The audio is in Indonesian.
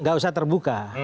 nggak usah terbuka